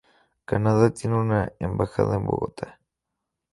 Canadá tiene una embajada en Bogotá.